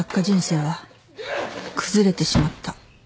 人生は崩れてしまった。